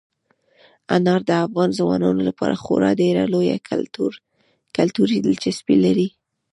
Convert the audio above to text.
انار د افغان ځوانانو لپاره خورا ډېره لویه کلتوري دلچسپي لري.